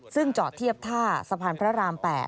ซึ่งจอดเทียบท่าสะพานพระราม๘